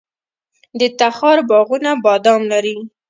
د تخار باغونه بادام لري.